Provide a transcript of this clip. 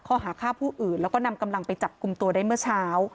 ข้อหาฆ่าผู้อื่นแล้วก็นำกำลังไปจับกลุ่มตัวได้เมื่อเช้า